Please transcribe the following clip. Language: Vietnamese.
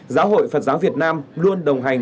giáo hội phật giáo việt nam luôn đồng hành